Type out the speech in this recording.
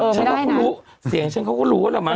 ใช่ก็พูดรู้เสียงเชิงเขาก็รู้เหรอมั้ง